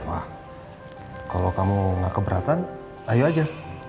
wah kalau kamu gak keberatan ayo aja